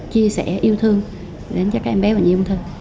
chia sẻ yêu thương đến cho các em bé và nhiều người thân